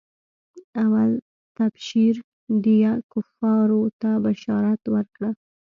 اول تبشير ديه کفارو ته بشارت ورکړه.